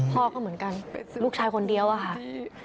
พ่อก็เหมือนกันลูกชายคนเดียวอะค่ะ